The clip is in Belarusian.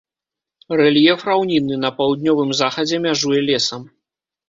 Рэльеф раўнінны, на паўднёвым захадзе мяжуе лесам.